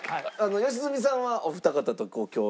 良純さんはお二方と共演など。